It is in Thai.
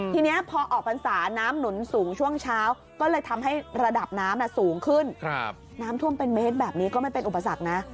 ทีนี้พอออกพรรษาน้ำหนุนสูงช่วงเช้าก็เลยทำให้ระดับน้ำสูงขึ้นน้ำท่วมเป็นเมตรแบบนี้ก็ไม่เป็นอุปสรรคนะ